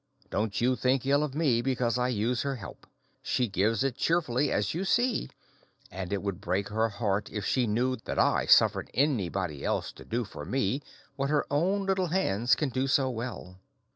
Don't you think ill of me because I use her help. She gives it cheerfully, as you see, and it would break her heart if she knew that I suffered anybody else to do for me what her own little hands can do so well."